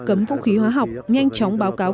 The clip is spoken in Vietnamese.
cấm vũ khí hoa học nhanh chóng báo cáo